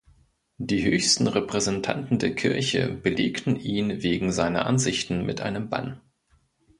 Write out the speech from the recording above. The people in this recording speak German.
Die höchsten Repräsentanten der Kirche belegten ihn wegen seiner Ansichten mit einem Bann.